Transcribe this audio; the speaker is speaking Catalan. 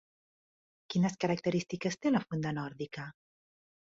Quines característiques té la funda nòrdica?